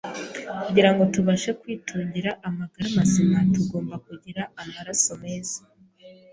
Kugirango tubashe kwitungira amagara mazima, tugomba kugira amaraso meza;